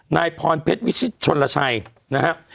นายพรเพชรวิชิตชนลชัยนะครับ